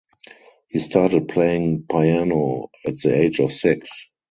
He started playing piano at the age of six.